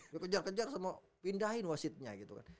dikejar kejar sama pindahin wasitnya gitu kan